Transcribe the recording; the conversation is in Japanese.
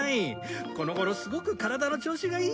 この頃すごく体の調子がいいんだ。